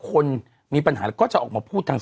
กล้วยทอด๒๐๓๐บาท